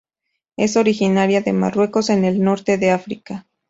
Es originaria de Marruecos, en el Norte de África.